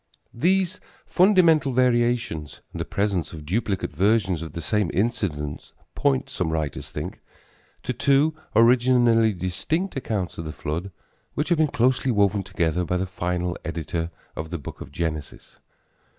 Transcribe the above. These fundamental variations and the presence of duplicate versions of the same incidents point, some writers think, to two originally distinct accounts of the flood which have been closely woven together by the final editor of the book of Genesis.